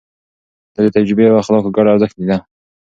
ده د تجربې او اخلاقو ګډ ارزښت ليده.